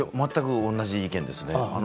全く同じ意見ですね。